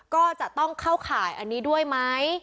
ก็จะต้องเข้าข่ายอันนี้ด้วยไหม